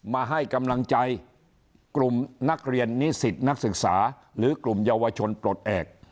มาให้กำลังใจกลุ่มนักเรียนนิสิตนักศึกษาหรือกลุ่มเยาวชนปลดแอบ